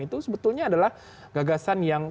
itu sebetulnya adalah gagasan yang